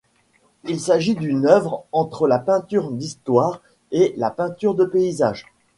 Il s'agit d'une œuvre entre la peinture d'histoire et la peinture de paysage.